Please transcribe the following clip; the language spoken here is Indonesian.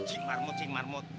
cing marmut cing marmut